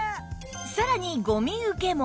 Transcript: さらにゴミ受けも